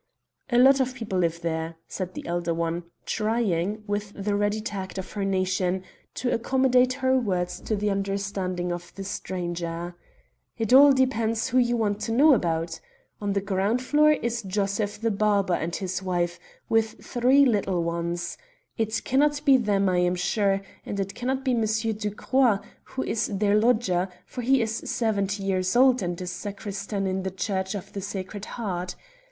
"A lot of people live there," said the elder one, trying, with the ready tact of her nation, to accommodate her words to the understanding of the stranger. "It all depends who you want to know about. On the ground floor is Josef the barber and his wife, with three little ones. It cannot be them, I am sure, and it cannot be Monsieur Ducrot, who is their lodger, for he is seventy years old and a sacristan in the Church of the Sacred Heart.